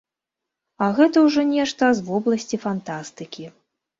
А гэта ўжо нешта з вобласці фантастыкі.